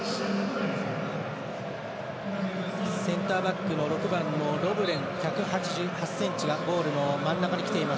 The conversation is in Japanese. センターバックの６番のロブレン１８８ｃｍがゴールの真ん中にきています。